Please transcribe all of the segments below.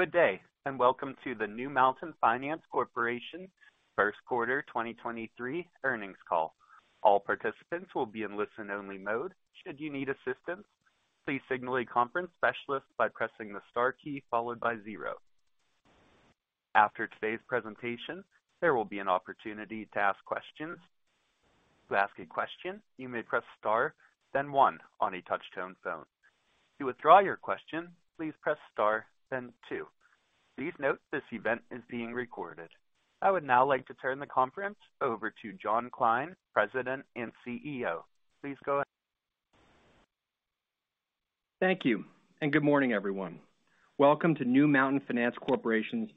Good day, welcome to the New Mountain Finance Corporation Q1 2023 earnings call. All participants will be in listen-only mode. Should you need assistance, please signal a conference specialist by pressing the star key followed by zero. After today's presentation, there will be an opportunity to ask questions. To ask a question, you may press star then one on a touch-tone phone. To withdraw your question, please press star then two. Please note this event is being recorded. I would now like to turn the conference over to John Kline, President and CEO. Please go ahead. Thank you. Good morning, everyone. Welcome to New Mountain Finance Corporation's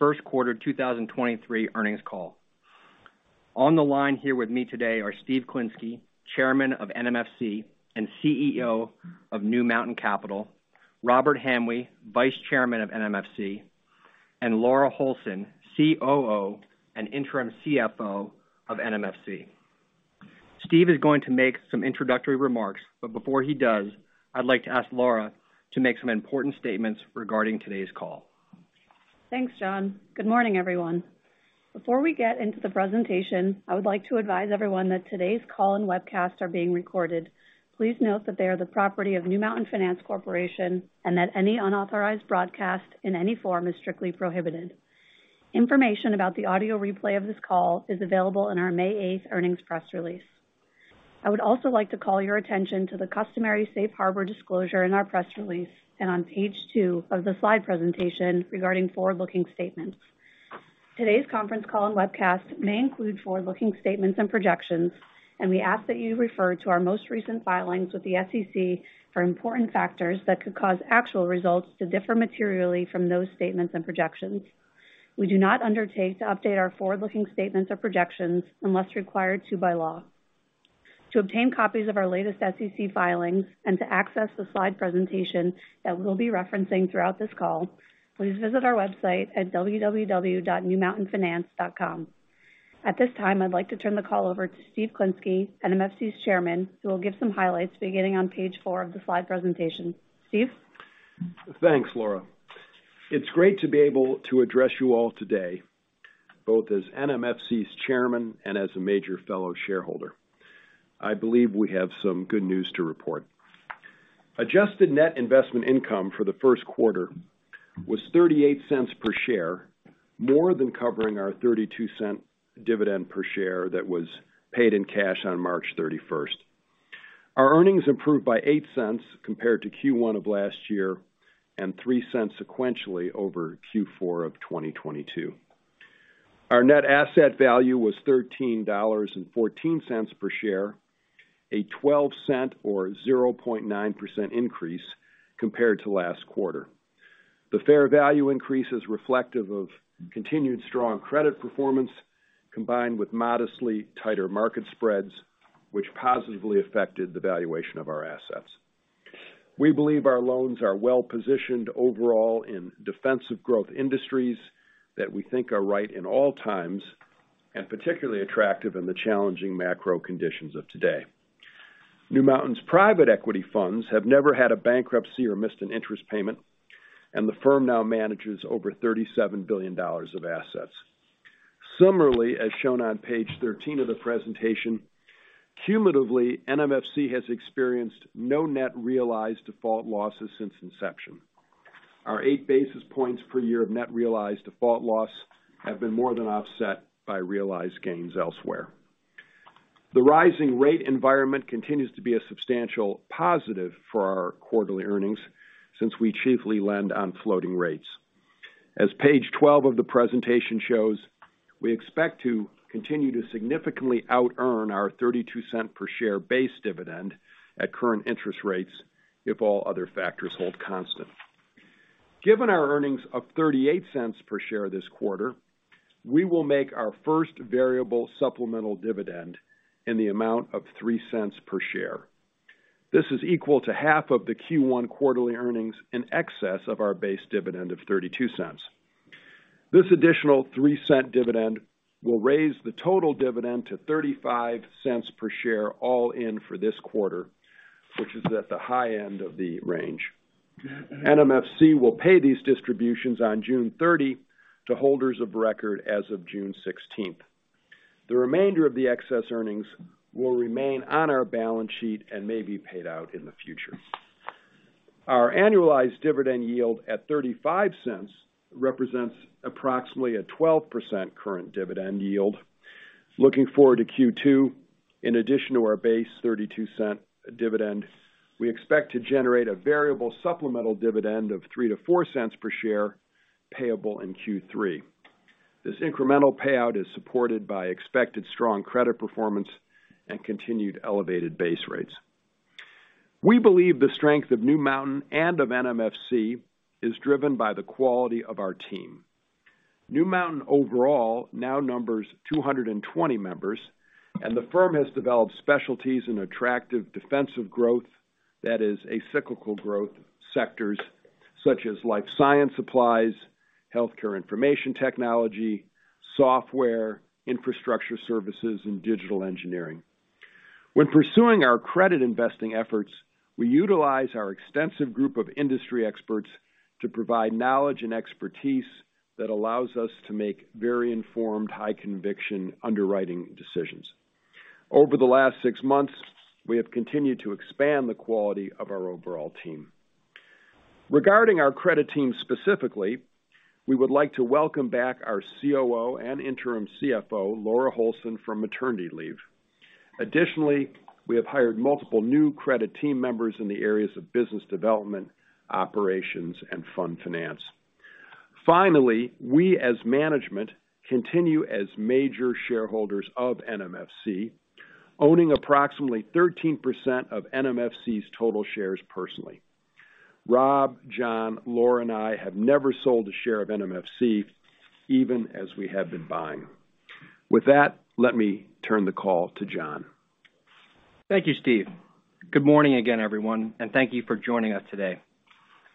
Q1 2023 earnings call. On the line here with me today are Steve Klinsky, Chairman of NMFC and CEO of New Mountain Capital, Robert Hamwee, Vice Chairman of NMFC, and Laura Holson, COO and Interim CFO of NMFC. Steve is going to make some introductory remarks. Before he does, I'd like to ask Laura to make some important statements regarding today's call. Thanks, John. Good morning, everyone. Before we get into the presentation, I would like to advise everyone that today's call and webcast are being recorded. Please note that they are the property of New Mountain Finance Corporation and that any unauthorized broadcast in any form is strictly prohibited. Information about the audio replay of this call is available in our May 8th earnings press release. I would also like to call your attention to the customary safe harbor disclosure in our press release and on page two of the slide presentation regarding forward-looking statements. Today's conference call and webcast may include forward-looking statements and projections, and we ask that you refer to our most recent filings with the SEC for important factors that could cause actual results to differ materially from those statements and projections. We do not undertake to update our forward-looking statements or projections unless required to by law. To obtain copies of our latest SEC filings and to access the slide presentation that we'll be referencing throughout this call, please visit our website at www.newmountainfinance.com. At this time, I'd like to turn the call over to Steve Klinsky, NMFC's chairman, who will give some highlights beginning on page four of the slide presentation. Steve? Thanks, Laura. It's great to be able to address you all today, both as NMFC's Chairman and as a major fellow shareholder. I believe we have some good news to report. Adjusted net investment income for the Q1 was $0.38 per share, more than covering our $0.32 dividend per share that was paid in cash on March 31st. Our earnings improved by $0.08 compared to Q1 of last year and $0.03 sequentially over Q4 of 2022. Our net asset value was $13.14 per share, a $0.12 or 0.9% increase compared to last quarter. The fair value increase is reflective of continued strong credit performance, combined with modestly tighter market spreads, which positively affected the valuation of our assets. We believe our loans are well-positioned overall in defensive growth industries that we think are right in all times and particularly attractive in the challenging macro conditions of today. New Mountain's private equity funds have never had a bankruptcy or missed an interest payment. The firm now manages over $37 billion of assets. Summarily, as shown on page 13 of the presentation, cumulatively, NMFC has experienced no net realized default losses since inception. Our 8 basis points per year of net realized default loss have been more than offset by realized gains elsewhere. The rising rate environment continues to be a substantial positive for our quarterly earnings since we chiefly lend on floating rates. As page 12 of the presentation shows, we expect to continue to significantly out earn our $0.32 per share base dividend at current interest rates if all other factors hold constant. Given our earnings of $0.38 per share this quarter, we will make our first variable supplemental dividend in the amount of $0.03 per share. This is equal to half of the Q1 quarterly earnings in excess of our base dividend of $0.32. This additional $0.03 dividend will raise the total dividend to $0.35 per share all in for this quarter, which is at the high end of the range. NMFC will pay these distributions on June 30 to holders of record as of June 16th. The remainder of the excess earnings will remain on our balance sheet and may be paid out in the future. Our annualized dividend yield at $0.35 represents approximately a 12% current dividend yield. Looking forward to Q2, in addition to our base $0.32 dividend, we expect to generate a variable supplemental dividend of $0.03-$0.04 per share payable in Q3. This incremental payout is supported by expected strong credit performance and continued elevated base rates. We believe the strength of New Mountain and of NMFC is driven by the quality of our team. New Mountain overall now numbers 220 members, the firm has developed specialties in attractive defensive growth that is a cyclical growth sectors such as life science supplies, healthcare information technology, software, infrastructure services, and digital engineering. When pursuing our credit investing efforts, we utilize our extensive group of industry experts to provide knowledge and expertise that allows us to make very informed, high conviction underwriting decisions. Over the last six months, we have continued to expand the quality of our overall team. Regarding our credit team specifically, we would like to welcome back our COO and Interim CFO, Laura Holson, from maternity leave. Additionally, we have hired multiple new credit team members in the areas of business development, operations, and fund finance. Finally, we as management continue as major shareholders of NMFC, owning approximately 13% of NMFC's total shares personally. Rob, John, Laura, and I have never sold a share of NMFC even as we have been buying. With that, let me turn the call to John. Thank you, Steve. Good morning again, everyone, and thank you for joining us today.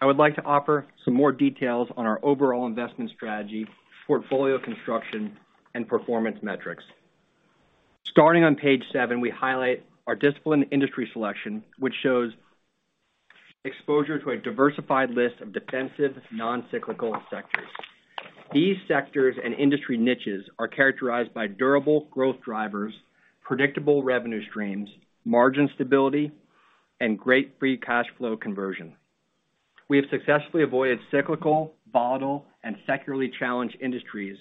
I would like to offer some more details on our overall investment strategy, portfolio construction, and performance metrics. Starting on page seven, we highlight our disciplined industry selection, which shows exposure to a diversified list of defensive, non-cyclical sectors. These sectors and industry niches are characterized by durable growth drivers, predictable revenue streams, margin stability, and great free cash flow conversion. We have successfully avoided cyclical, volatile, and secularly challenged industries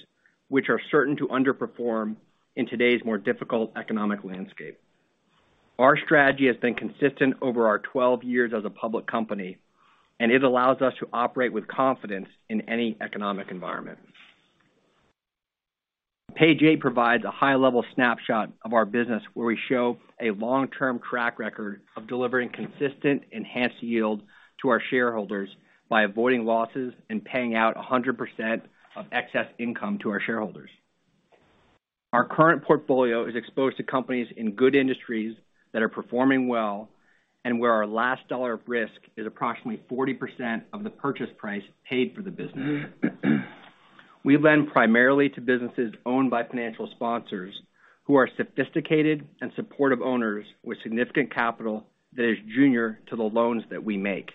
which are certain to underperform in today's more difficult economic landscape. Our strategy has been consistent over our 12 years as a public company, and it allows us to operate with confidence in any economic environment. Page eight provides a high-level snapshot of our business, where we show a long-term track record of delivering consistent enhanced yield to our shareholders by avoiding losses and paying out 100% of excess income to our shareholders. Our current portfolio is exposed to companies in good industries that are performing well and where our last dollar of risk is approximately 40% of the purchase price paid for the business. We lend primarily to businesses owned by financial sponsors who are sophisticated and supportive owners with significant capital that is junior to the loans that we make.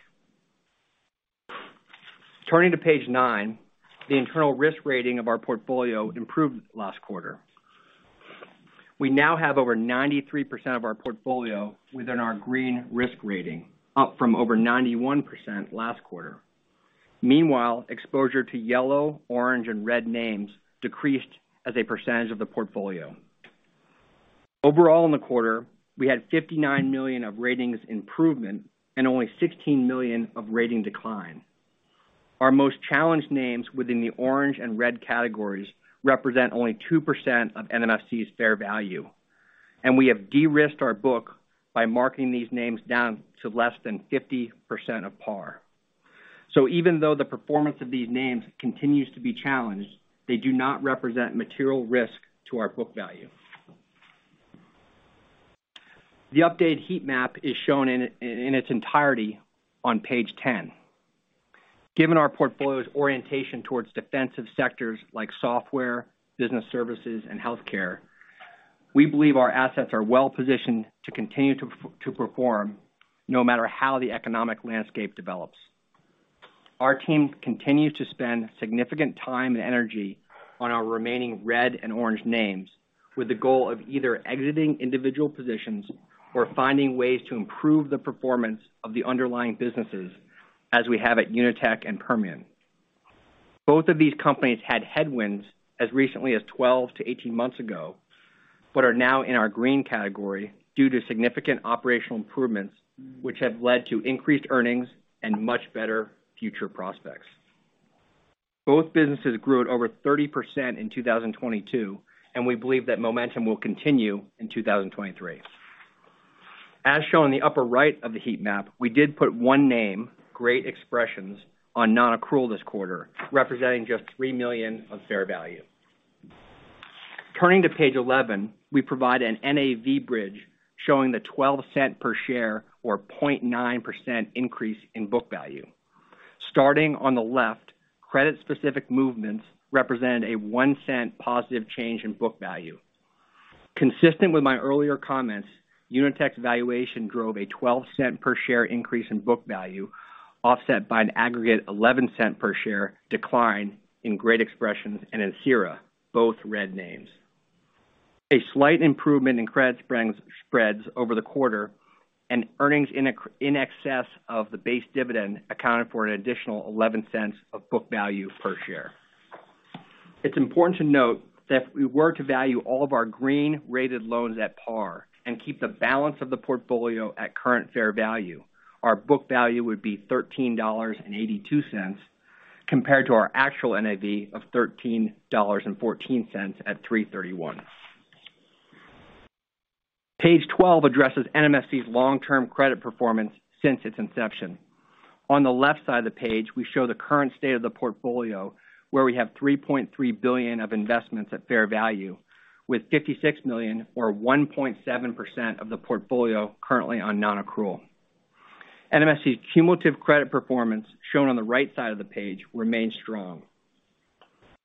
Turning to page nine, the internal risk rating of our portfolio improved last quarter. We now have over 93% of our portfolio within our green risk rating, up from over 91% last quarter. Meanwhile, exposure to yellow, orange, and red names decreased as a percentage of the portfolio. In the quarter, we had $59 million of ratings improvement and only $16 million of rating decline. Our most challenged names within the orange and red categories represent only 2% of NMFC's fair value, and we have de-risked our book by marking these names down to less than 50% of par. Even though the performance of these names continues to be challenged, they do not represent material risk to our book value. The updated heat map is shown in its entirety on page 10. Given our portfolio's orientation towards defensive sectors like software, business services, and healthcare, we believe our assets are well-positioned to continue to perform no matter how the economic landscape develops. Our team continues to spend significant time and energy on our remaining red and orange names with the goal of either exiting individual positions or finding ways to improve the performance of the underlying businesses, as we have at UniTek and Permian. Both of these companies had headwinds as recently as 12-18 months ago, but are now in our green category due to significant operational improvements which have led to increased earnings and much better future prospects. Both businesses grew at over 30% in 2022, and we believe that momentum will continue in 2023. As shown in the upper right of the heat map, we did put one name, Great Expressions, on non-accrual this quarter, representing just $3 million of fair value. Turning to page 11, we provide an NAV bridge showing the $0.12 per share or 0.9% increase in book value. Starting on the left, credit-specific movements represent a $0.01 positive change in book value. Consistent with my earlier comments, UniTek's valuation drove a $0.12 per share increase in book value, offset by an aggregate $0.11 per share decline in Great Expressions and Ancira, both red names. A slight improvement in credit spreads over the quarter and earnings in excess of the base dividend accounted for an additional $0.11 of book value per share. It's important to note that if we were to value all of our green-rated loans at par and keep the balance of the portfolio at current fair value, our book value would be $13.82, compared to our actual NAV of $13.14 at 3/31. Page 12 addresses NMFC's long-term credit performance since its inception. On the left side of the page, we show the current state of the portfolio, where we have $3.3 billion of investments at fair value with $56 million or 1.7% of the portfolio currently on non-accrual. NMFC's cumulative credit performance, shown on the right side of the page, remains strong.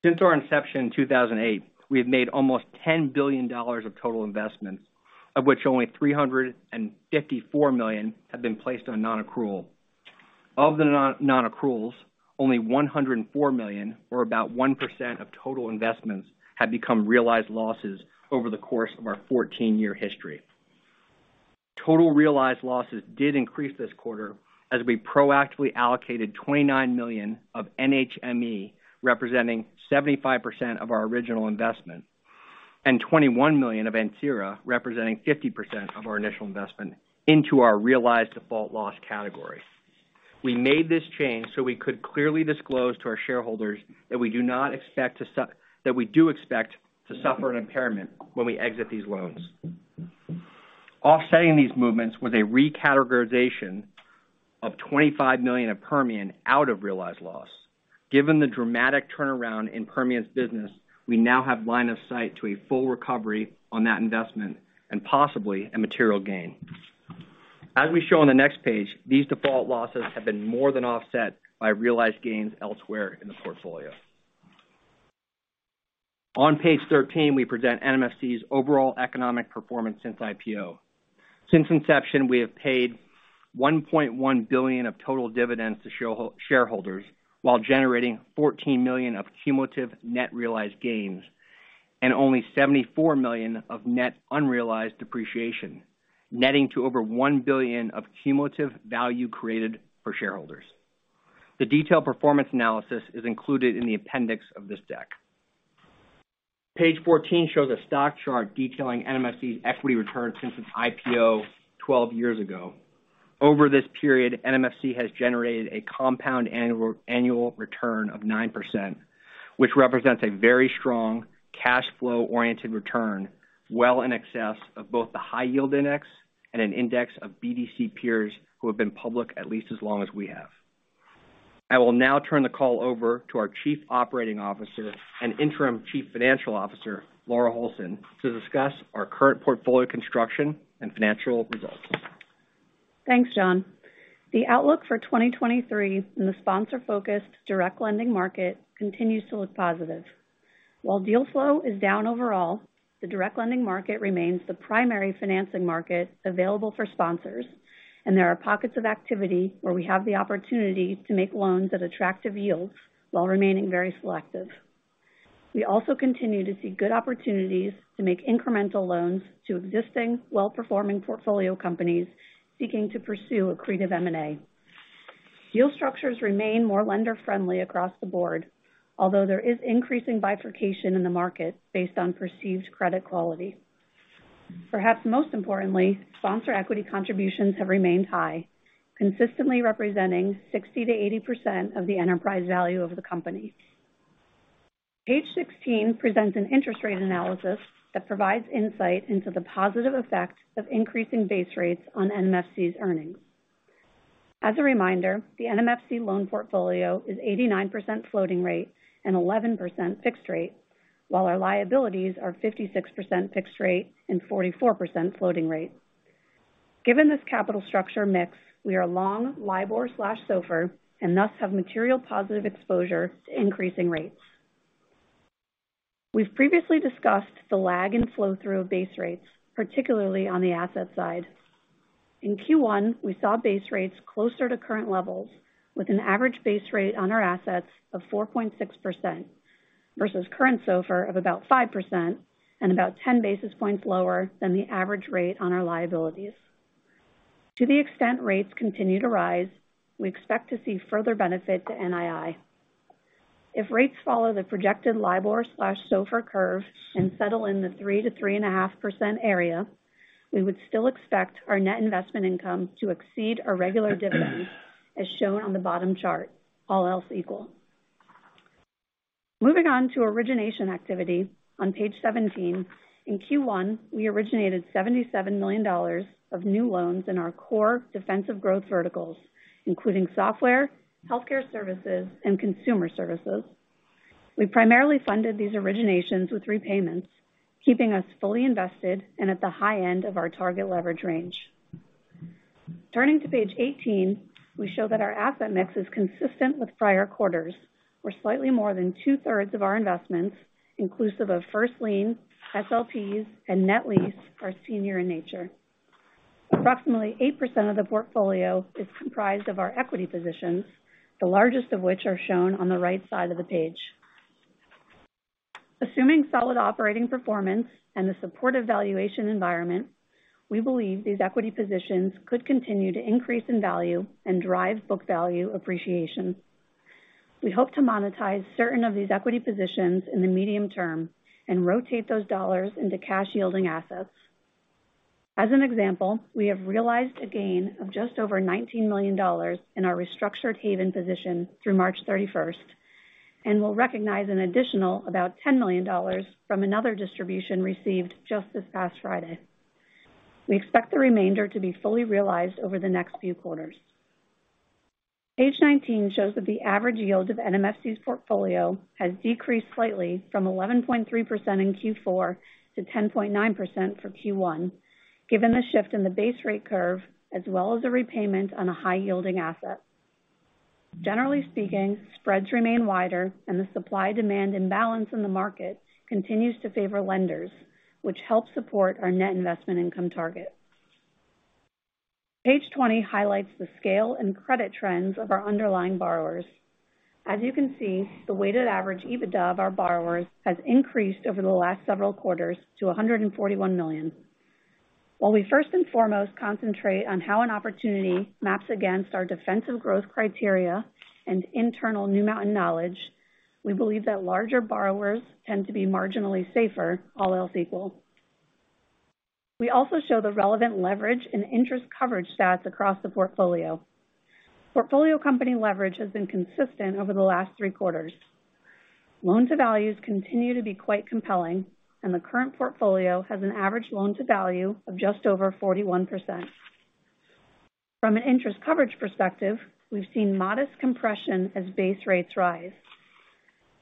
Since our inception in 2008, we have made almost $10 billion of total investments, of which only $354 million have been placed on non-accrual. Of the non-accruals, only $104 million, or about 1% of total investments, have become realized losses over the course of our 14 year history. Total realized losses did increase this quarter as we proactively allocated $29 million of NHME, representing 75% of our original investment, and $21 million of Ancira, representing 50% of our initial investment into our realized default loss category. We made this change so we could clearly disclose to our shareholders that we do expect to suffer an impairment when we exit these loans. Offsetting these movements was a recategorization of $25 million of Permian out of realized loss. Given the dramatic turnaround in Permian's business, we now have line of sight to a full recovery on that investment and possibly a material gain. As we show on the next page, these default losses have been more than offset by realized gains elsewhere in the portfolio. On page 13, we present NMFC's overall economic performance since IPO. Since inception, we have paid $1.1 billion of total dividends to shareholders while generating $14 million of cumulative net realized gains and only $74 million of net unrealized depreciation, netting to over $1 billion of cumulative value created for shareholders. The detailed performance analysis is included in the appendix of this deck. Page 14 shows a stock chart detailing NMFC's equity return since its IPO 12 years ago. Over this period, NMFC has generated a compound annual return of 9%, which represents a very strong cash flow-oriented return well in excess of both the high yield index and an index of BDC peers who have been public at least as long as we have. I will now turn the call over to our Chief Operating Officer and Interim Chief Financial Officer, Laura Holson, to discuss our current portfolio construction and financial results. Thanks, John. The outlook for 2023 in the sponsor-focused direct lending market continues to look positive. While deal flow is down overall, the direct lending market remains the primary financing market available for sponsors, and there are pockets of activity where we have the opportunity to make loans at attractive yields while remaining very selective. We also continue to see good opportunities to make incremental loans to existing well-performing portfolio companies seeking to pursue accretive M&A. Deal structures remain more lender-friendly across the board, although there is increasing bifurcation in the market based on perceived credit quality. Perhaps most importantly, sponsor equity contributions have remained high, consistently representing 60%-80% of the enterprise value of the company. Page 16 presents an interest rate analysis that provides insight into the positive effects of increasing base rates on NMFC's earnings. As a reminder, the NMFC loan portfolio is 89% floating rate and 11% fixed rate, while our liabilities are 56% fixed rate and 44% floating rate. Given this capital structure mix, we are long LIBOR/SOFR and thus have material positive exposure to increasing rates. We've previously discussed the lag and flow-through of base rates, particularly on the asset side. In Q1, we saw base rates closer to current levels with an average base rate on our assets of 4.6% versus current SOFR of about 5% and about 10 basis points lower than the average rate on our liabilities. To the extent rates continue to rise, we expect to see further benefit to NII. If rates follow the projected LIBOR/SOFR curve and settle in the 3%-3.5% area, we would still expect our net investment income to exceed our regular dividend, as shown on the bottom chart, all else equal. Moving on to origination activity on page 17. In Q1, we originated $77 million of new loans in our core defensive growth verticals, including software, healthcare services, and consumer services. We primarily funded these originations with repayments, keeping us fully invested and at the high end of our target leverage range. Turning to page 18, we show that our asset mix is consistent with prior quarters, where slightly more than two-thirds of our investments, inclusive of first lien, SLPs, and net lease, are senior in nature. Approximately 8% of the portfolio is comprised of our equity positions, the largest of which are shown on the right side of the page. Assuming solid operating performance and a supportive valuation environment, we believe these equity positions could continue to increase in value and drive book value appreciation. We hope to monetize certain of these equity positions in the medium term and rotate those dollars into cash-yielding assets. As an example, we have realized a gain of just over $19 million in our restructured Haven position through March 31st, and we'll recognize an additional about $10 million from another distribution received just this past Friday. We expect the remainder to be fully realized over the next few quarters. Page 19 shows that the average yield of NMFC's portfolio has decreased slightly from 11.3% in Q4 to 10.9% for Q1, given the shift in the base rate curve as well as a repayment on a high-yielding asset. Generally speaking, spreads remain wider and the supply demand imbalance in the market continues to favor lenders, which helps support our net investment income target. Page 20 highlights the scale and credit trends of our underlying borrowers. As you can see, the weighted average EBITDA of our borrowers has increased over the last several quarters to $141 million. While we first and foremost concentrate on how an opportunity maps against our defensive growth criteria and internal New Mountain knowledge, we believe that larger borrowers tend to be marginally safer all else equal. We also show the relevant leverage and interest coverage stats across the portfolio. Portfolio company leverage has been consistent over the last three quarters. Loan to values continue to be quite compelling and the current portfolio has an average loan to value of just over 41%. From an interest coverage perspective, we've seen modest compression as base rates rise.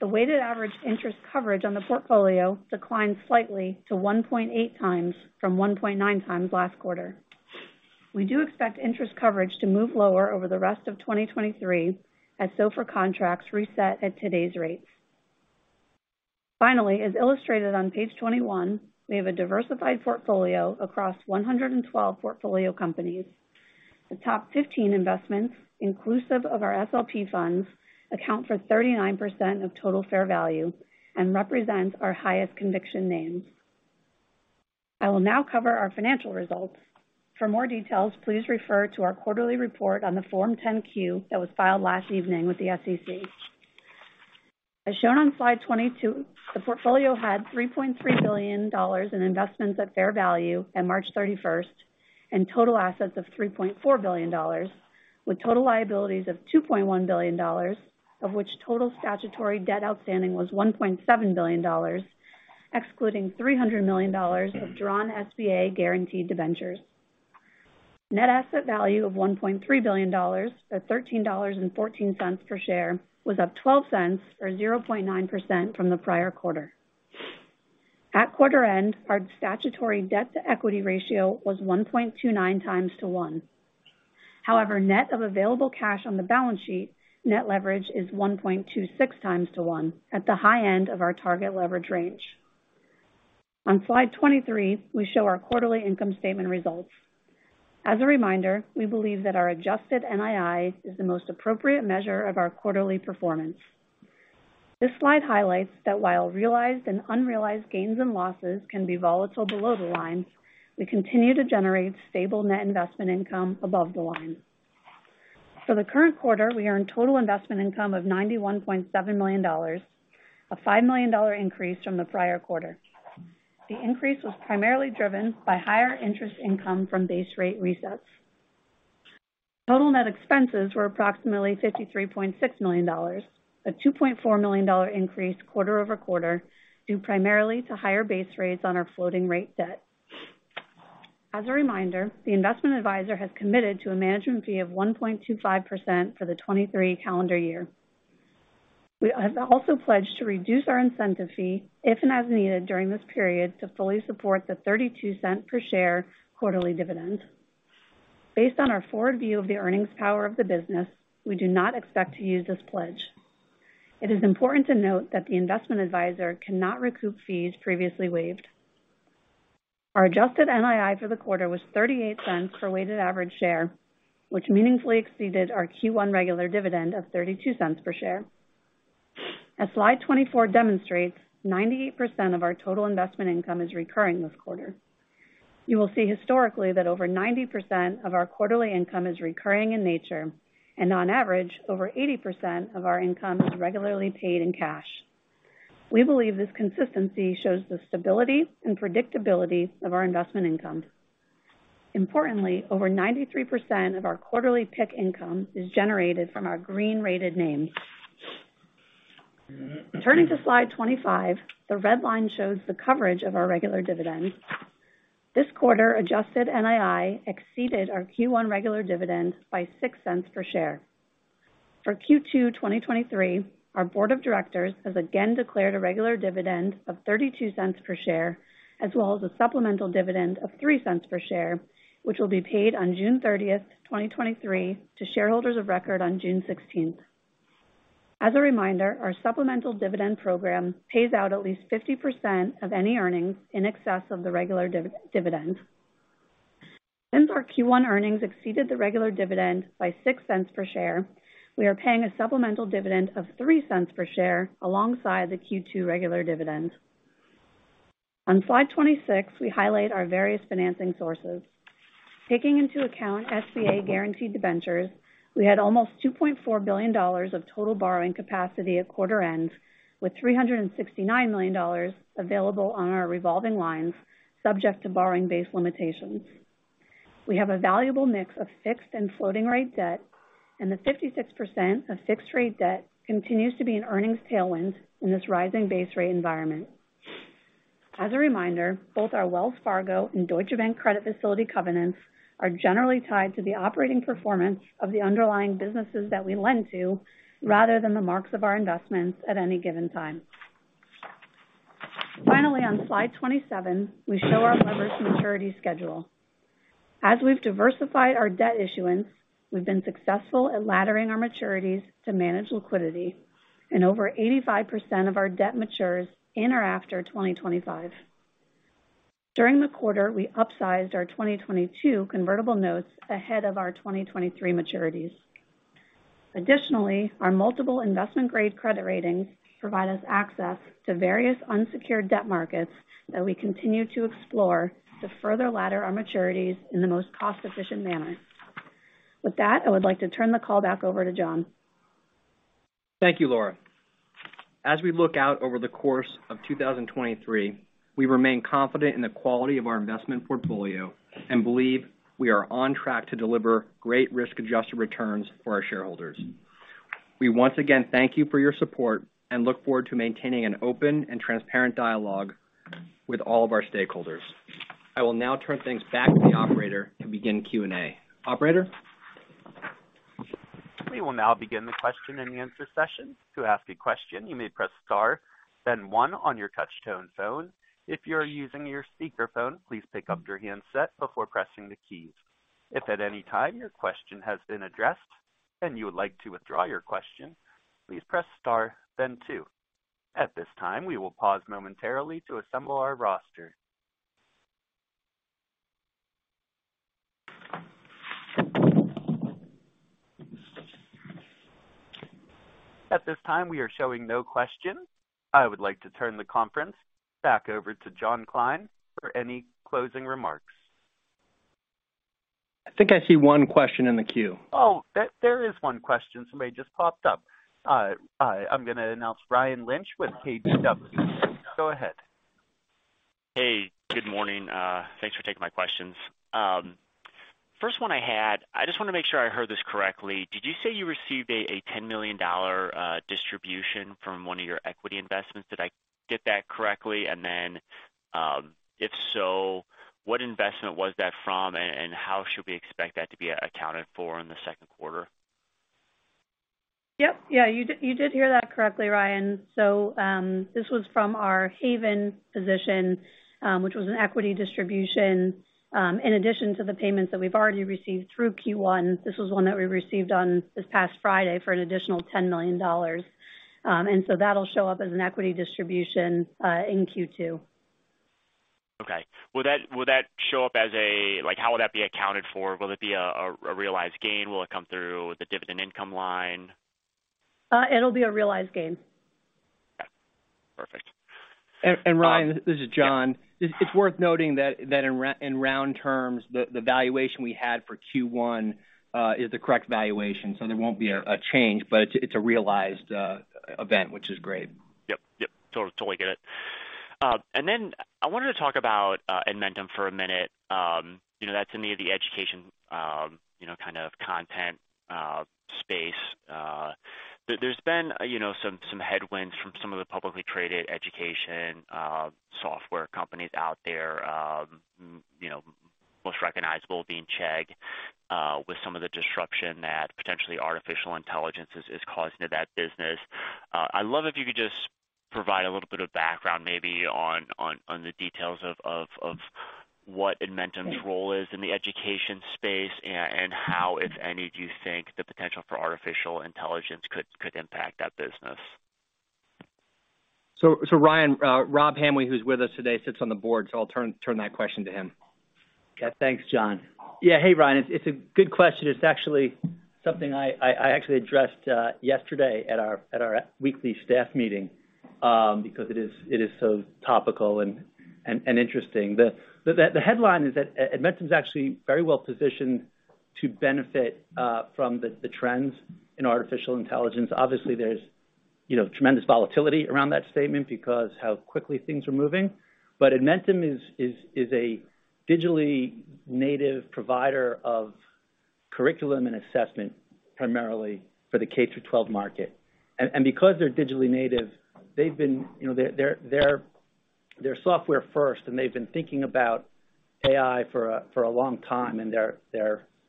The weighted average interest coverage on the portfolio declined slightly to 1.8x from 1.9x last quarter. We do expect interest coverage to move lower over the rest of 2023 as SOFR contracts reset at today's rates. As illustrated on page 21, we have a diversified portfolio across 112 portfolio companies. The top 15 investments inclusive of our SLP funds account for 39% of total fair value and represents our highest conviction names. I will now cover our financial results. For more details, please refer to our quarterly report on the form 10-Q that was filed last evening with the SEC. As shown on slide 22, the portfolio had $3.3 billion in investments at fair value at March 31st and total assets of $3.4 billion with total liabilities of $2.1 billion, of which total statutory debt outstanding was $1.7 billion, excluding $300 million of drawn SBA guaranteed debentures. Net asset value of $1.3 billion, or $13.14 per share was up $0.12, or 0.9% from the prior quarter. At quarter end, our statutory debt to equity ratio was 1.29x to 1. Net of available cash on the balance sheet, net leverage is 1.26x to 1 at the high end of our target leverage range. On slide 23, we show our quarterly income statement results. As a reminder, we believe that our adjusted NII is the most appropriate measure of our quarterly performance. This slide highlights that while realized and unrealized gains and losses can be volatile below the line, we continue to generate stable net investment income above the line. For the current quarter, we earn total investment income of $91.7 million, a $5 million increase from the prior quarter. The increase was primarily driven by higher interest income from base rate resets. Total net expenses were approximately $53.6 million, a $2.4 million increase quarter-over-quarter, due primarily to higher base rates on our floating rate debt. As a reminder, the investment advisor has committed to a management fee of 1.25% for the 2023 calendar year. We have also pledged to reduce our incentive fee if and as needed during this period to fully support the $0.32 per share quarterly dividend. Based on our forward view of the earnings power of the business, we do not expect to use this pledge. It is important to note that the investment advisor cannot recoup fees previously waived. Our adjusted NII for the quarter was $0.38 per weighted average share, which meaningfully exceeded our Q1 regular dividend of $0.32 per share. As slide 24 demonstrates, 98% of our total investment income is recurring this quarter. You will see historically that over 90% of our quarterly income is recurring in nature and on average over 80% of our income is regularly paid in cash. We believe this consistency shows the stability and predictability of our investment income. Importantly, over 93% of our quarterly PIK income is generated from our green rated names. Turning to slide 25. The red line shows the coverage of our regular dividend. This quarter adjusted NII exceeded our Q1 regular dividend by $0.06 per share. For Q2 2023, our board of directors has again declared a regular dividend of $0.32 per share, as well as a supplemental dividend of $0.03 per share, which will be paid on June 30, 2023 to shareholders of record on June 16. As a reminder, our supplemental dividend program pays out at least 50% of any earnings in excess of the regular dividend. Since our Q1 earnings exceeded the regular dividend by $0.06 per share, we are paying a supplemental dividend of $0.03 per share alongside the Q2 regular dividend. On slide 26, we highlight our various financing sources. Taking into account SBA guaranteed debentures. We had almost $2.4 billion of total borrowing capacity at quarter end, with $369 million available on our revolving lines subject to borrowing base limitations. We have a valuable mix of fixed and floating rate debt. The 56% of fixed rate debt continues to be an earnings tailwind in this rising base rate environment. As a reminder, both our Wells Fargo and Deutsche Bank credit facility covenants are generally tied to the operating performance of the underlying businesses that we lend to rather than the marks of our investments at any given time. Finally, on slide 27, we show our levers maturity schedule. As we've diversified our debt issuance, we've been successful at laddering our maturities to manage liquidity, and over 85% of our debt matures in or after 2025. During the quarter, we upsized our 2022 convertible notes ahead of our 2023 maturities. Additionally, our multiple investment-grade credit ratings provide us access to various unsecured debt markets that we continue to explore to further ladder our maturities in the most cost-efficient manner. With that, I would like to turn the call back over to John. Thank you, Laura. As we look out over the course of 2023, we remain confident in the quality of our investment portfolio and believe we are on track to deliver great risk-adjusted returns for our shareholders. We once again thank you for your support and look forward to maintaining an open and transparent dialogue with all of our stakeholders. I will now turn things back to the operator and begin Q&A. Operator? We will now begin the question-and-answer session. To ask a question, you may press star then one on your touchtone phone. If you're using your speakerphone, please pick up your handset before pressing the keys. If at any time your question has been addressed and you would like to withdraw your question, please press star then two. At this time, we will pause momentarily to assemble our roster. At this time, we are showing no questions. I would like to turn the conference back over to John Kline for any closing remarks. I think I see one question in the queue. There is one question. Somebody just popped up. I'm gonna announce Ryan Lynch with KBW. Go ahead. Hey, good morning. Thanks for taking my questions. First one I had, I just wanna make sure I heard this correctly. Did you say you received a $10 million distribution from one of your equity investments? Did I get that correctly? If so, what investment was that from, and how should we expect that to be accounted for in the Q2? Yep. Yeah. You did hear that correctly, Ryan. This was from our Haven position, which was an equity distribution. In addition to the payments that we've already received through Q1, this was one that we received on this past Friday for an additional $10 million. That'll show up as an equity distribution in Q2. Okay. Will that show up as a? Like, how will that be accounted for? Will it be a realized gain? Will it come through the dividend income line? It'll be a realized gain. Got it. Perfect. Ryan. Um- This is John. Yeah. It's worth noting that in round terms, the valuation we had for Q1 is the correct valuation, so there won't be a change, but it's a realized event, which is great. Yep. Yep. Totally get it. I wanted to talk about Edmentum for a minute. You know, that's in the education, you know, kind of content space. There's been, you know, some headwinds from some of the publicly traded education software companies out there, you know, most recognizable being Chegg, with some of the disruption that potentially artificial intelligence is causing to that business. I'd love if you could just provide a little bit of background maybe on the details of what Edmentum's role is in the education space and how, if any, do you think the potential for artificial intelligence could impact that business? Ryan, Robert Hamwee, who's with us today, sits on the board, so I'll turn that question to him. Thanks, John. Hey, Ryan. It's a good question. It's actually something I actually addressed yesterday at our weekly staff meeting because it is so topical and interesting. The headline is that Edmentum's actually very well positioned to benefit from the trends in artificial intelligence. Obviously, there's, you know, tremendous volatility around that statement because how quickly things are moving. Edmentum is a digitally native provider of curriculum and assessment, primarily for the K-12 market. Because they're digitally native, you know, they're software first, and they've been thinking about AI for a long time, and their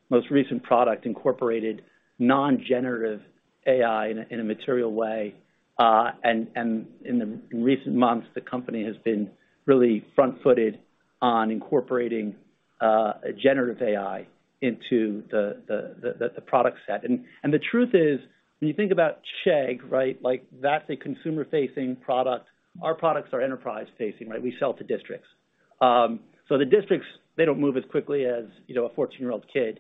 most recent product incorporated non-generative AI in a material way. In the recent months, the company has been really front-footed on incorporating a generative AI into the product set. The truth is, when you think about Chegg, right? Like, that's a consumer-facing product. Our products are enterprise-facing, right? We sell to districts. The districts, they don't move as quickly as, you know, a 14 year old kid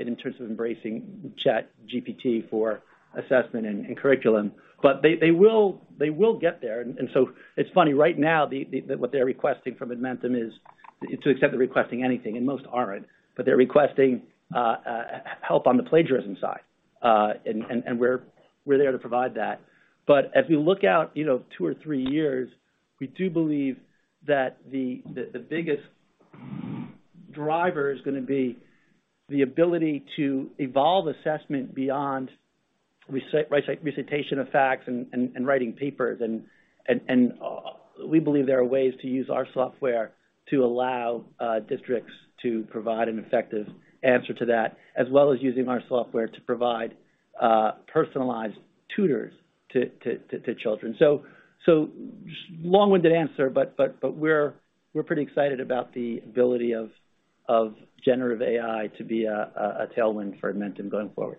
in terms of embracing ChatGPT for assessment and curriculum. They will get there. It's funny, right now, what they're requesting from Edmentum is to the extent they're requesting anything, and most aren't, but they're requesting help on the plagiarism side. We're there to provide that. As we look out, you know, two or three years, we do believe that the biggest driver is gonna be the ability to evolve assessment beyond recitation of facts and writing papers. We believe there are ways to use our software to allow districts to provide an effective answer to that, as well as using our software to provide Just long-winded answer, but we're pretty excited about the ability of generative AI to be a tailwind for Edmentum going forward.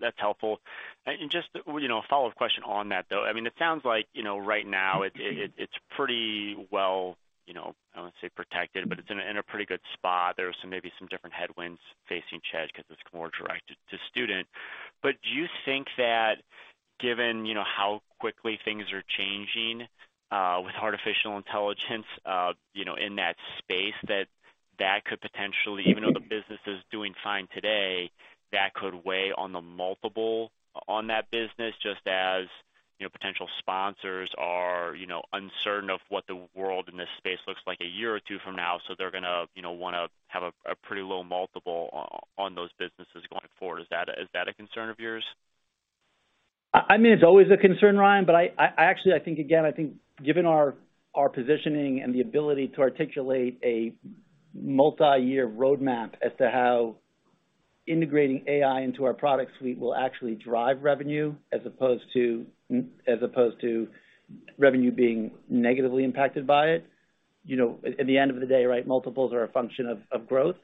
That's helpful. Just, you know, a follow-up question on that, though. I mean, it sounds like, you know, right now it, it's pretty well, you know, I wouldn't say protected, but it's in a, in a pretty good spot. There's maybe some different headwinds facing Chegg 'cause it's more direct to student. Do you think that given, you know, how quickly things are changing with artificial intelligence, you know, in that space that that could potentially, even though the business is doing fine today, that could weigh on the multiple on that business, just as, you know, potential sponsors are, you know, uncertain of what the world in this space looks like a year or two from now, so they're gonna, you know, wanna have a pretty low multiple on those businesses going forward? Is that a concern of yours? I mean, it's always a concern, Ryan, but I actually think, again, I think given our positioning and the ability to articulate a multiyear roadmap as to how integrating AI into our product suite will actually drive revenue as opposed to, as opposed to revenue being negatively impacted by it. You know, at the end of the day, right, multiples are a function of growth.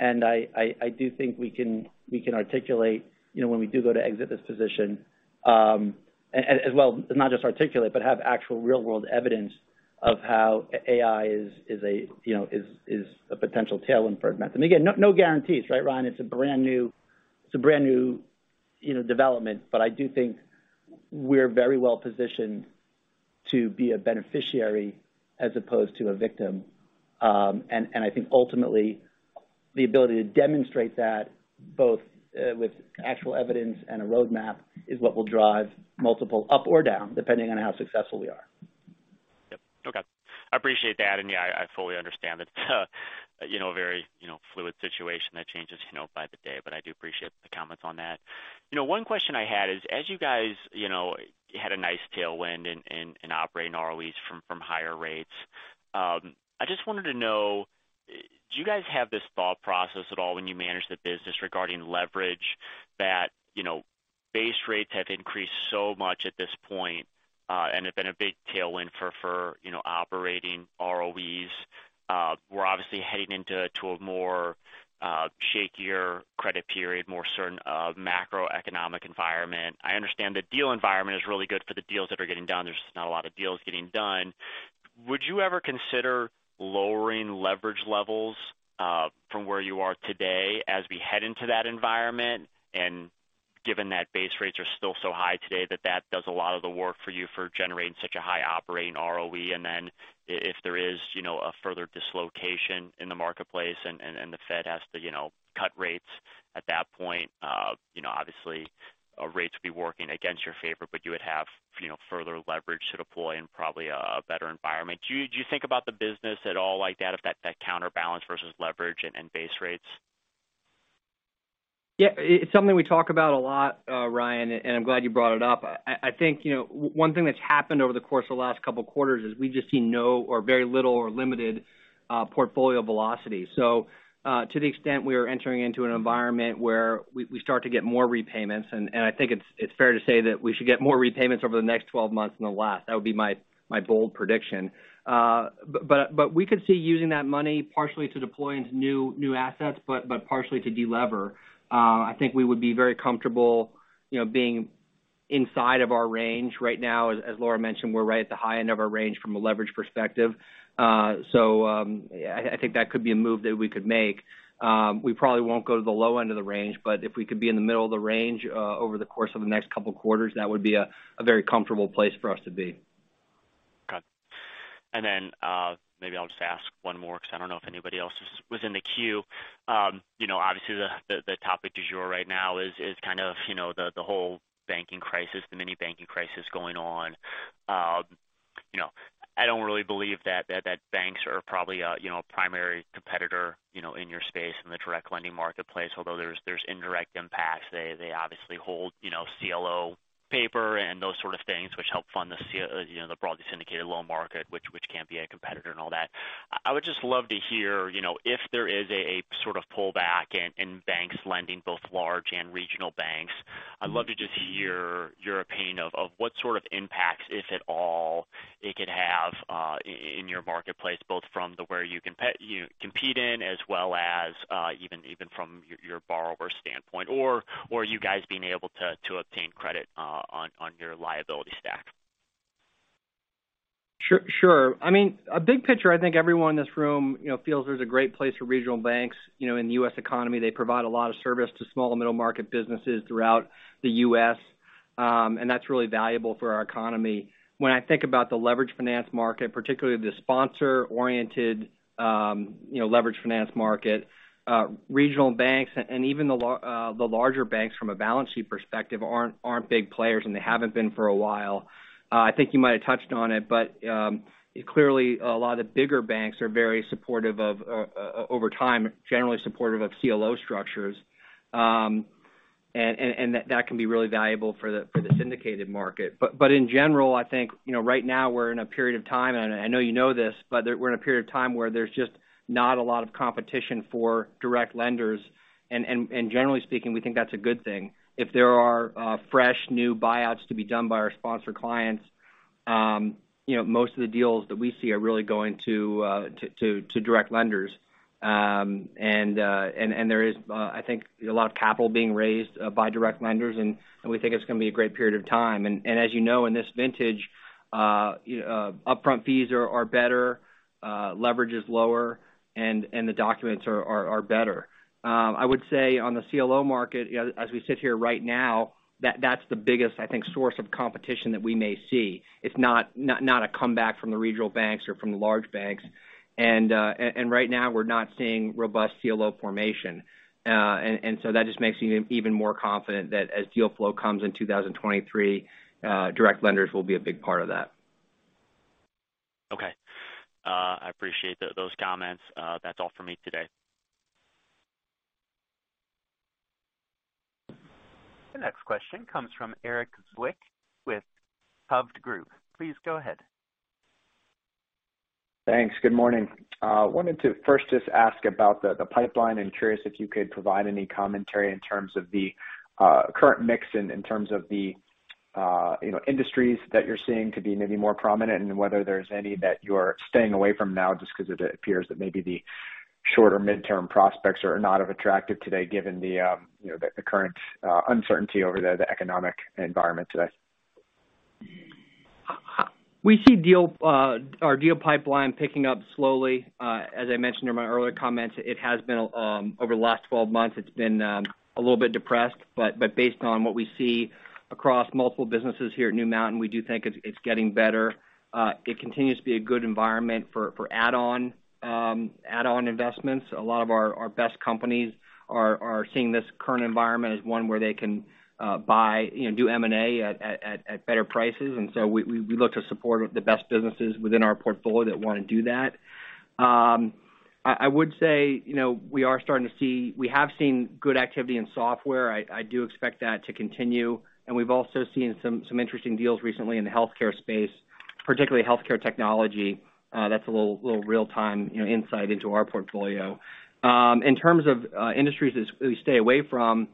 I do think we can articulate, you know, when we do go to exit this position, as well not just articulate, but have actual real-world evidence of how AI is a, you know, is a potential tailwind for Mentum. Again, no guarantees, right, Ryan? It's a brand new, you know, development. I do think we're very well positioned to be a beneficiary as opposed to a victim. I think ultimately the ability to demonstrate that both with actual evidence and a roadmap is what will drive multiple up or down, depending on how successful we are. Yep. Okay. I appreciate that. Yeah, I fully understand it's you know, a very, you know, fluid situation that changes, you know, by the day. I do appreciate the comments on that. You know, one question I had is, as you guys, you know, had a nice tailwind in operating ROEs from higher rates, I just wanted to know, do you guys have this thought process at all when you manage the business regarding leverage that, you know, base rates have increased so much at this point and have been a big tailwind for, you know, operating ROEs? We're obviously heading into a more shakier credit period, more certain macroeconomic environment. I understand the deal environment is really good for the deals that are getting done. There's just not a lot of deals getting done. Would you ever consider lowering leverage levels from where you are today as we head into that environment? Given that base rates are still so high today that that does a lot of the work for you for generating such a high operating ROE. If there is, you know, a further dislocation in the marketplace and the Fed has to, you know, cut rates at that point, you know, obviously rates will be working against your favor, but you would have, you know, further leverage to deploy in probably a better environment. Do you think about the business at all like that, of that counterbalance versus leverage and base rates? Yeah. It's something we talk about a lot, Ryan, and I'm glad you brought it up. I think, you know, one thing that's happened over the course of the last couple quarters is we've just seen no or very little or limited portfolio velocity. To the extent we are entering into an environment where we start to get more repayments, and I think it's fair to say that we should get more repayments over the next 12 months than the last. That would be my bold prediction. We could see using that money partially to deploy into new assets, but partially to delever. I think we would be very comfortable, you know, being inside of our range. Right now, as Laura mentioned, we're right at the high end of our range from a leverage perspective. I think that could be a move that we could make. We probably won't go to the low end of the range, but if we could be in the middle of the range, over the course of the next couple quarters, that would be a very comfortable place for us to be. Okay. maybe I'll just ask one more because I don't know if anybody else is within the queue. You know, obviously the, the topic du jour right now is kind of, you know, the whole banking crisis, the mini banking crisis going on. You know, I don't really believe that banks are probably, you know, a primary competitor, you know, in your space, in the direct lending marketplace, although there's indirect impacts. They obviously hold, you know, CLO paper and those sort of things which help fund the, you know, the broadly syndicated loan market, which can be a competitor and all that. I would just love to hear, you know, if there is a sort of pullback in banks lending, both large and regional banks. I'd love to just hear your opinion of what sort of impacts, if at all, it could have, in your marketplace, both from the where you compete in, as well as, even from your borrower standpoint, or you guys being able to obtain credit, on your liability stack. Sure. I mean, a big picture, I think everyone in this room, you know, feels there's a great place for regional banks. You know, in the U.S. economy, they provide a lot of service to small and middle-market businesses throughout the U.S. That's really valuable for our economy. When I think about the leverage finance market, particularly the sponsor-oriented, you know, leverage finance market, regional banks and even the larger banks from a balance sheet perspective aren't big players. They haven't been for a while. I think you might have touched on it, clearly a lot of bigger banks are very supportive of over time, generally supportive of CLO structures. That can be really valuable for the syndicated market. In general, I think, you know, right now we're in a period of time, and I know you know this, but we're in a period of time where there's just not a lot of competition for direct lenders. Generally speaking, we think that's a good thing. If there are fresh new buyouts to be done by our sponsor clients. You know, most of the deals that we see are really going to direct lenders. There is, I think a lot of capital being raised by direct lenders, and we think it's gonna be a great period of time. As you know, in this vintage, upfront fees are better, leverage is lower, and the documents are better. I would say on the CLO market, you know, as we sit here right now, that's the biggest, I think, source of competition that we may see. It's not a comeback from the regional banks or from the large banks. Right now we're not seeing robust CLO formation. That just makes me even more confident that as deal flow comes in 2023, direct lenders will be a big part of that. Okay. I appreciate those comments. That's all for me today. The next question comes from Erik Zwick with Hovde Group. Please go ahead. Thanks. Good morning. wanted to first just ask about the pipeline. I'm curious if you could provide any commentary in terms of the current mix in terms of the, you know, industries that you're seeing to be maybe more prominent and whether there's any that you're staying away from now, just 'cause it appears that maybe the shorter midterm prospects are not of attractive today given the, you know, the current uncertainty over the economic environment today. We see our deal pipeline picking up slowly. As I mentioned in my earlier comments, it has been over the last 12 months, it's been a little bit depressed. Based on what we see across multiple businesses here at New Mountain, we do think it's getting better. It continues to be a good environment for add-on investments. A lot of our best companies are seeing this current environment as one where they can buy, you know, do M&A at better prices. We look to support the best businesses within our portfolio that wanna do that. I would say, you know, we have seen good activity in software. I do expect that to continue. We've also seen some interesting deals recently in the healthcare space, particularly healthcare technology. That's a little real-time, you know, insight into our portfolio. In terms of industries that we stay away from,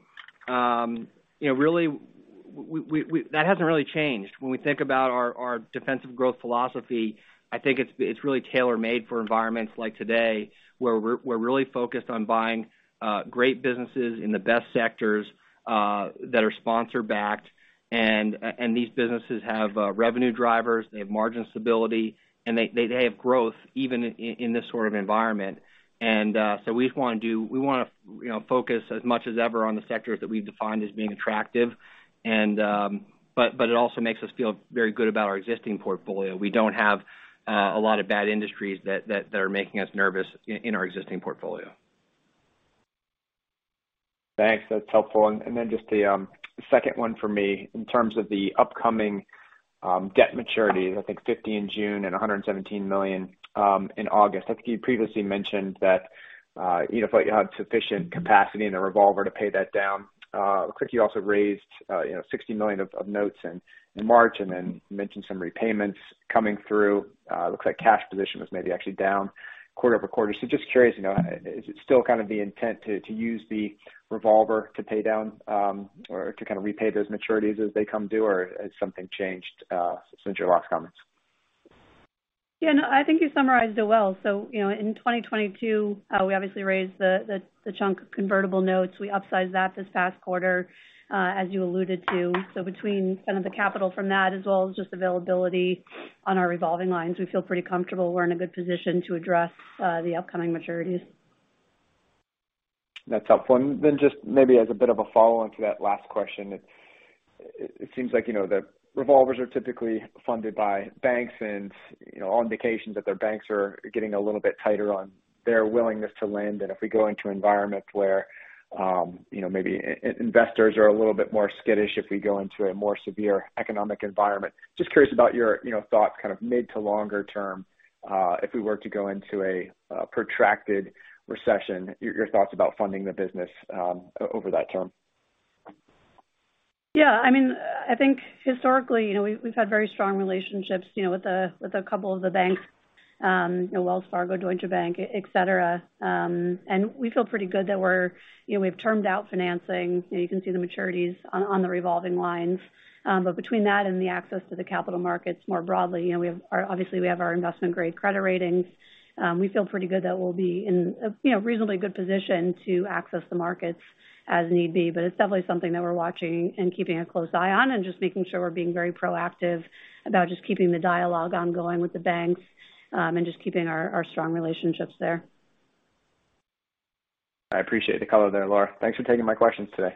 you know, really that hasn't really changed. When we think about our defensive growth philosophy, I think it's really tailor-made for environments like today, where we're really focused on buying great businesses in the best sectors that are sponsor backed. These businesses have revenue drivers, they have margin stability, and they have growth even in this sort of environment. We just wanna, you know, focus as much as ever on the sectors that we've defined as being attractive. It also makes us feel very good about our existing portfolio. We don't have a lot of bad industries that are making us nervous in our existing portfolio. Thanks. That's helpful. Just the second one for me. In terms of the upcoming debt maturities, I think $50 in June and $117 million in August. I think you previously mentioned that, you know, you thought you had sufficient capacity in the revolver to pay that down. Quick, you also raised, you know, $60 million of notes in March, and then you mentioned some repayments coming through. Looks like cash position was maybe actually down quarter-over-quarter. Just curious, you know, is it still kind of the intent to use the revolver to pay down or to kind of repay those maturities as they come due, or has something changed since your last comments? Yeah. No, I think you summarized it well. You know, in 2022, we obviously raised the chunk of convertible notes. We upsized that this past quarter, as you alluded to. Between some of the capital from that as well as just availability on our revolving lines, we feel pretty comfortable we're in a good position to address the upcoming maturities. That's helpful. Just maybe as a bit of a follow-on to that last question. It seems like, you know, the revolvers are typically funded by banks and, you know, all indications that their banks are getting a little bit tighter on their willingness to lend. If we go into environments where, you know, maybe investors are a little bit more skittish if we go into a more severe economic environment. Just curious about your, you know, thoughts kind of mid to longer term, if we were to go into a protracted recession, your thoughts about funding the business over that term. I mean, I think historically, you know, we've had very strong relationships, you know, with a couple of the banks, you know, Wells Fargo, Deutsche Bank, et cetera. We feel pretty good that we're, you know, we've termed out financing. You know, you can see the maturities on the revolving lines. Between that and the access to the capital markets more broadly, you know, obviously, we have our investment-grade credit ratings. We feel pretty good that we'll be in a, you know, reasonably good position to access the markets as need be. It's definitely something that we're watching and keeping a close eye on and just making sure we're being very proactive about just keeping the dialogue ongoing with the banks, and just keeping our strong relationships there. I appreciate the color there, Laura. Thanks for taking my questions today.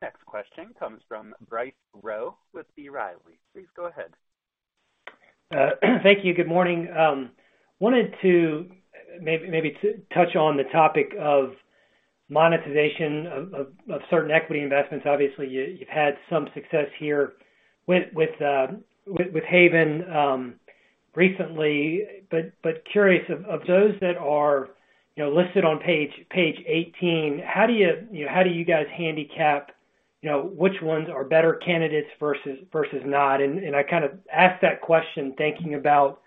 Next question comes from Bryce Rowe with B. Riley. Please go ahead. Thank you. Good morning. wanted to maybe touch on the topic of monetization of certain equity investments. Obviously, you've had some success here with Haven recently. curious of those that are, you know, listed on page 18, how do you guys handicap, you know, which ones are better candidates versus not? I kind of asked that question thinking about,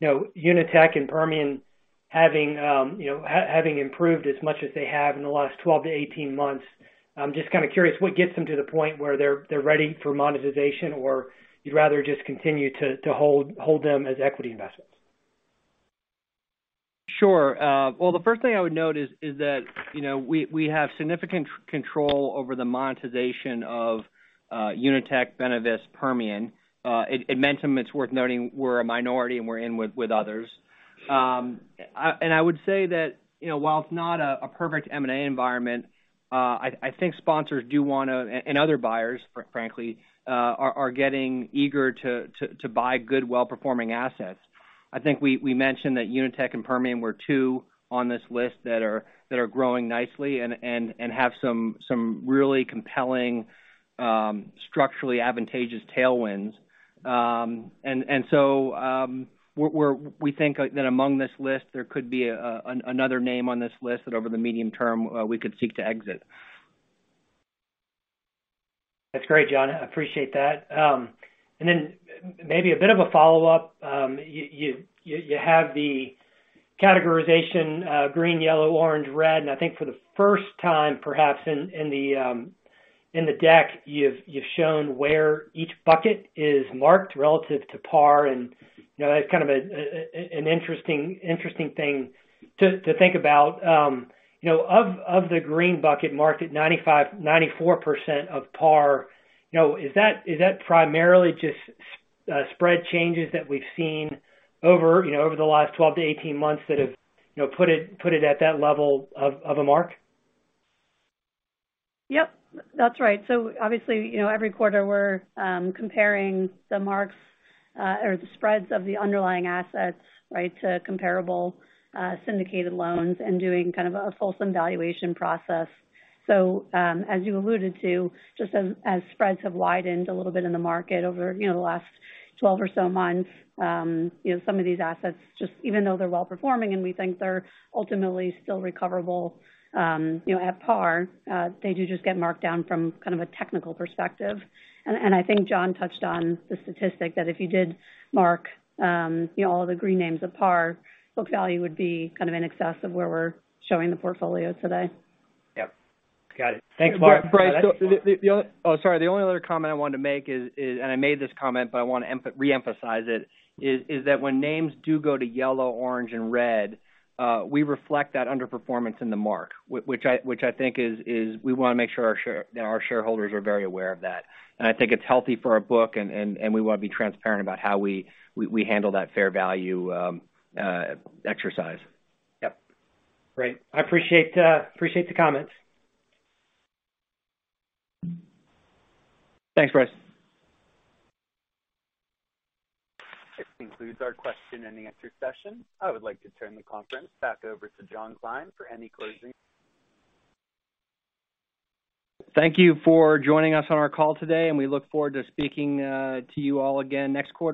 you know, UniTek and Permian having, you know, having improved as much as they have in the last 12 to 18 months. I'm just kinda curious what gets them to the point where they're ready for monetization, or you'd rather just continue to hold them as equity investments. Sure. Well, the first thing I would note is that, you know, we have significant control over the monetization of UniTek, Benevis, Permian. At Edmentum, it's worth noting we're a minority, and we're in with others. I would say that, you know, while it's not a perfect M&A environment, I think sponsors do wanna and other buyers, frankly, are getting eager to buy good well-performing assets. I think we mentioned that UniTek and Permian were two on this list that are growing nicely and have some really compelling, structurally advantageous tailwinds. We think that among this list, there could be another name on this list that over the medium term, we could seek to exit. That's great, John. I appreciate that. Maybe a bit of a follow-up. You have the categorization green, yellow, orange, red, and I think for the first time, perhaps in the deck, you've shown where each bucket is marked relative to par. You know, that's kind of an interesting thing to think about. You know, of the green bucket marked at 95%-94% of par, you know, is that primarily just spread changes that we've seen over, you know, over the last 12 to 18 months that have, you know, put it at that level of a mark? Yep, that's right. Obviously, you know, every quarter we're comparing the marks or the spreads of the underlying assets, right, to comparable syndicated loans and doing kind of a fulsome valuation process. As you alluded to, just as spreads have widened a little bit in the market over, you know, the last 12 or so months, you know, some of these assets just even though they're well performing and we think they're ultimately still recoverable, you know, at par, they do just get marked down from kind of a technical perspective. And I think John touched on the statistic that if you did mark, you know, all the green names at par, book value would be kind of in excess of where we're showing the portfolio today. Yep. Got it. Thanks, Mark. Bryce, sorry. The only other comment I wanted to make is, and I made this comment, but I wanna re-emphasize it, is that when names do go to yellow, orange, and red, we reflect that underperformance in the mark, which I think is, we wanna make sure that our shareholders are very aware of that. I think it's healthy for our book and we wanna be transparent about how we handle that fair value exercise. Yep. Great. I appreciate the comments. Thanks, Bryce. This concludes our question and answer session. I would like to turn the conference back over to John Kline for any closing- Thank you for joining us on our call today. We look forward to speaking to you all again next quarter.